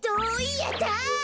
やった！